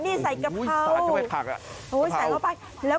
นี่ใส่กะเพรา